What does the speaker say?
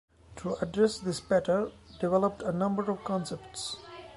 To address this Petter, developed a number of concepts.